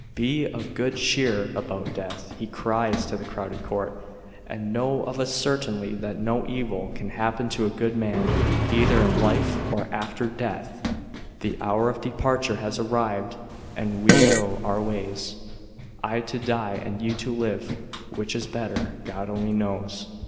" Be of good cheer about death," he cries to the crowded court, cf and know of a certainty that no evil can happen to a good man, either in life, or B.C. 399.] DEATH OF SOCJRATES. 115 after death. The hour of departure has arrived and we go our ways I to 1 die and you to live. Which is better, God only knows."